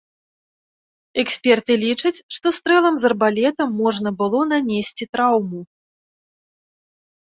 Эксперты лічаць, што стрэлам з арбалета можна было нанесці траўму.